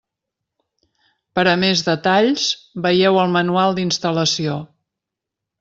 Per a més detalls, veieu el Manual d'instal·lació.